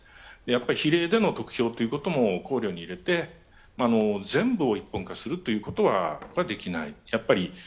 比例での得票ということも考慮に入れて全部を一本化するということはやっぱりできない。